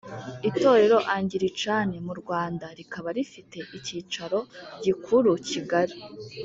Itorero angilicane mu Rwanda rikaba rifite ikicaro gikura Kigali